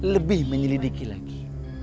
lebih menyelidiki lagi